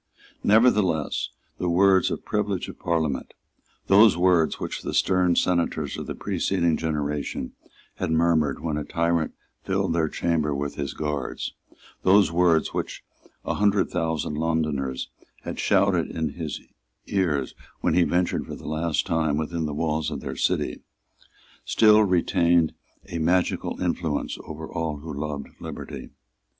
Nevertheless the words Privilege of Parliament, those words which the stern senators of the preceding generation had murmured when a tyrant filled their chamber with his guards, those words which a hundred thousand Londoners had shouted in his ears when he ventured for the last time within the walls of their city; still retained a magical influence over all who loved liberty.